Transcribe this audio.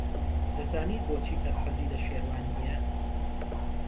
دەزانیت بۆچی کەس حەزی لە شێروان نییە؟